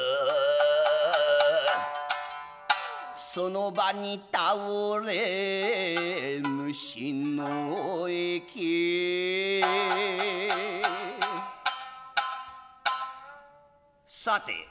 その場に倒れ虫の息さて